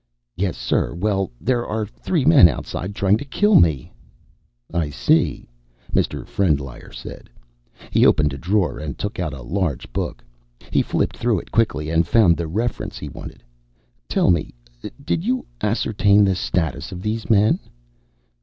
"Yes, sir. Well, there are three men outside trying to kill me." "I see," Mr. Frendlyer said. He opened a drawer and took out a large book. He flipped through it quickly and found the reference he wanted. "Tell me, did you ascertain the status of these men?"